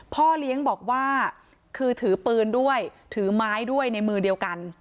พ่อเลี้ยงบอกว่าคือถือปืนด้วยถือไม้ด้วยในมือเดียวกัน